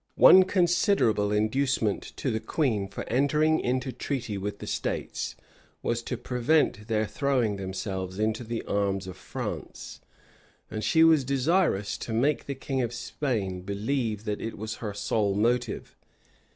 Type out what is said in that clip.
One considerable inducement to the queen for entering into treaty with the states, was to prevent their throwing themselves into the arms of France; and she was desirous to make the king of Spain believe that it was her sole motive.